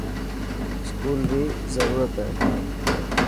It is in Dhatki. اسڪول ري ضرورت هي.